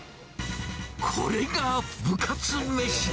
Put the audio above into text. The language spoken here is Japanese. これが部活めしだ。